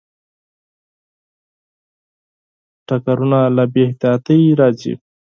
ټکرونه له بې احتیاطۍ راځي.